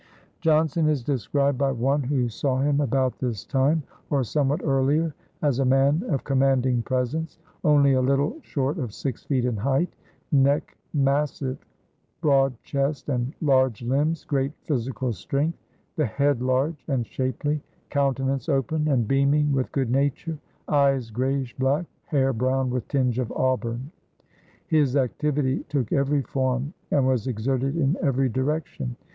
Johnson is described by one who saw him about this time or somewhat earlier as a man of commanding presence, only a little short of six feet in height, "neck massive, broad chest and large limbs, great physical strength, the head large and shapely, countenance open and beaming with good nature, eyes grayish black, hair brown with tinge of auburn." His activity took every form and was exerted in every direction.